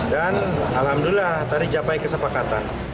dan alhamdulillah tadi capai kesepakatan